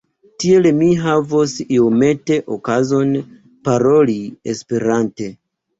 Tiel mi havos iomete okazon paroli Esperante.